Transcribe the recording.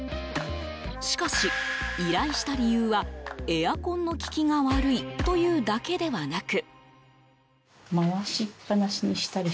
しかし、依頼した理由はエアコンの利きが悪いというだけではなく。